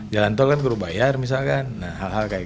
jalan tol kan perlu bayar misalkan